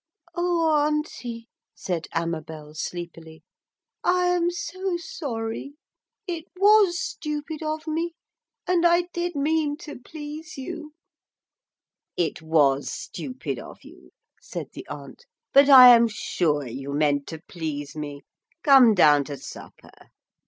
'Oh, Auntie,' said Amabel sleepily, 'I am so sorry. It was stupid of me. And I did mean to please you.' 'It was stupid of you,' said the aunt, 'but I am sure you meant to please me. Come down to supper.'